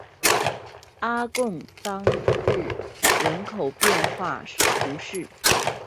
阿贡当日人口变化图示